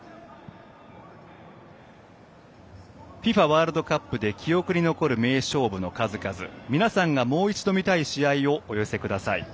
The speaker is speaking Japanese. ワールドカップで記憶に残る名勝負の数々皆さんがもう一度見たい試合をお寄せください。